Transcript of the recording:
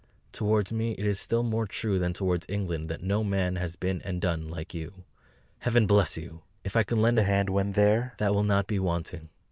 Towards me it is still more true than towards England that no man has been and done like you. Heaven bless you! If I can lend a hand when THERE, that will not be wanting.